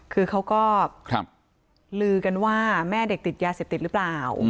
คือเขาก็ลือกันว่าแม่เด็กติดยาเสพติดหรือเปล่า